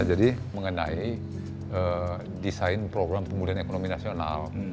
jadi mengenai desain program pemulihan ekonomi nasional